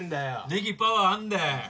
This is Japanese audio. ネギパワーあんだよ。